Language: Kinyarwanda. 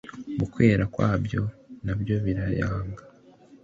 mu kwera kwabyo na byo birayanga